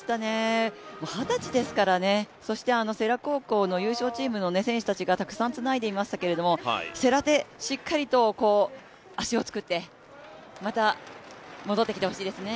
もう二十歳ですからね世羅高校の優勝チームの選手たちがたくさんつないでいましたけれども、世羅でしっかりと足を作って、また戻ってきてほしいですね。